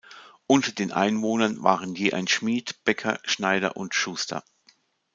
Unter den Einwohnern waren je ein Schmied, Bäcker, Schneider und Schuster.